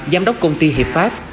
giám đốc công ty hiệp pháp